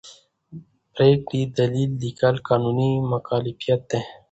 د پرېکړې دلیل لیکل قانوني مکلفیت دی.